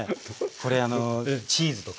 これチーズとか。